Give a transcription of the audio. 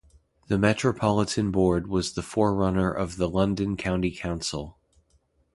The Metropolitan Board was the forerunner of the London County Council.